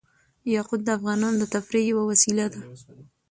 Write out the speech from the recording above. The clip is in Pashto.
یاقوت د افغانانو د تفریح یوه وسیله ده.